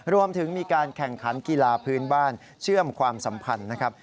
รวมถึงมีการแข่งขันกีฬาพื้นบ้านเชื่อมความสัมพันธ์นะครับ